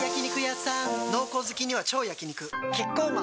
濃厚好きには超焼肉キッコーマン